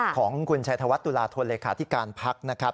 ของคุณชายธวัฒน์ตุลาทวนเลขาธิการพักษ์